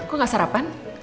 kok gak sarapan